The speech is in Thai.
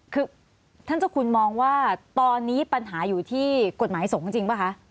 คือท่านเจ้าคุณมองว่าตอนนี้ปัญหาอยู่ที่กฎหมายสงฆ์จริงป่ะคะ